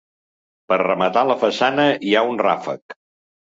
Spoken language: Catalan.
Per rematar la façana hi ha un ràfec.